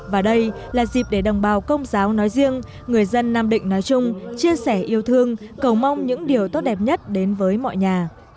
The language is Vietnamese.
và đây là dịp để đồng bào công giáo nói riêng người dân nam định nói chung chia sẻ yêu thương cầu mong những điều tốt đẹp nhất đến với mọi nhà